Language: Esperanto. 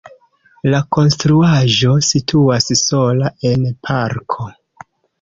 La konstruaĵo situas sola en parko.